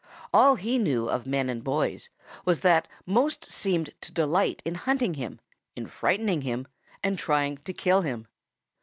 All he knew of men and boys was that most of them seemed to delight in hunting him, in frightening him and trying to kill him.